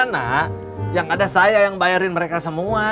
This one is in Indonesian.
karena yang ada saya yang bayarin mereka semua